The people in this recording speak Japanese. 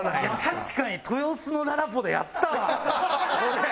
確かに豊洲のららぽでやったわこれ。